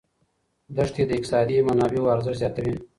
دښتې د اقتصادي منابعو ارزښت زیاتوي.